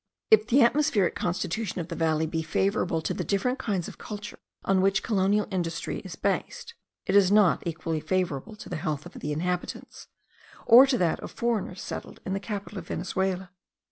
If the atmospheric constitution of the valley be favourable to the different kinds of culture on which colonial industry is based, it is not equally favourable to the health of the inhabitants, or to that of foreigners settled in the capital of Venezuela.